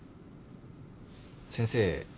先生